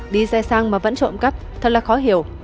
đi xe sang mà vẫn trộm cắp thật là khó hiểu